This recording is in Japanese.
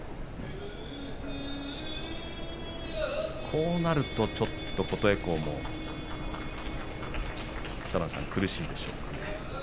こうなると琴恵光も苦しいでしょうか。